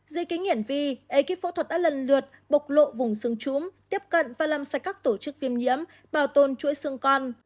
dưới kính hiển vi ekip phẫu thuật đã lần lượt bộc lộ vùng xương trũng tiếp cận và làm sạch các tổ chức viêm nhiễm bảo tồn chuỗi xương con